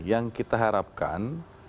yang kita harapkan